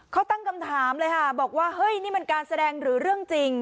เขาตั้งคำถามเลยค่ะบอกว่าเฮ้ยนี่มันการแสดงหรือเรื่องจริง